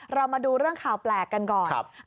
เรามาดูเรื่องข่าวแปลกกันก่อน